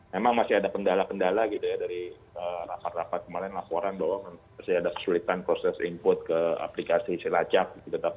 memang masih ada kendala kendala gitu ya dari rapat rapat kemarin laporan bahwa masih ada kesulitan proses input ke aplikasi silacak